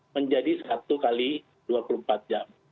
menjadi satu x dua puluh empat jam